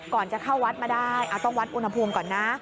ก่อนจะเข้าวัดมาได้ต้องวัดอุณหภูมิก่อนนะ